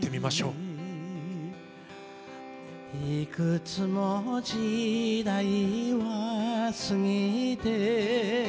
「いくつも時代は過ぎて」